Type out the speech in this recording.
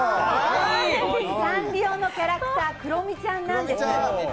サンリオのキャラクター、クロミちゃんなんですよ。